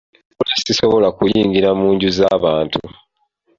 Wabula sisobola kuyingira mu nju za bantu.